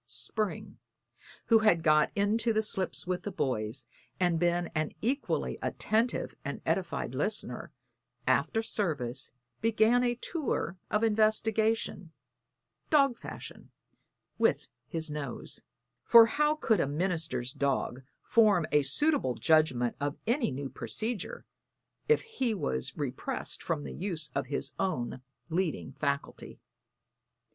Spring, who had got into the slip with the boys, and been an equally attentive and edified listener, after service began a tour of investigation, dog fashion, with his nose; for how could a minister's dog form a suitable judgment of any new procedure if he was repressed from the use of his own leading faculty?